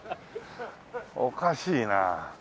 おかしいな。